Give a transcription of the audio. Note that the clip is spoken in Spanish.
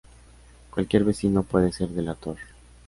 Cualquier vecino puede ser delator.